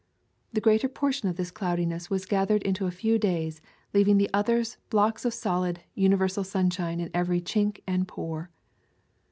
The greater portion of this cloudi ness was gathered into a few days, leaving the others blocks of solid, universal sunshine in every chink and pore.